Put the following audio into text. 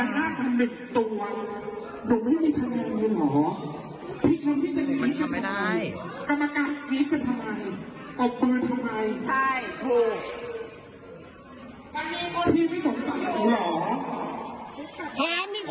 อ๋อมีคนไม่น่าเข้า